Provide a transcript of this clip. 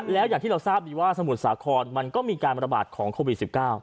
แล้วอย่างที่เราทราบดีว่าสมุทรสาครมันก็มีการระบาดของโควิด๑๙